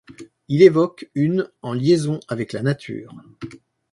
Il évoque une en liaison avec la nature.